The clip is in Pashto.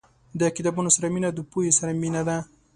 • د کتابونو سره مینه، د پوهې سره مینه ده.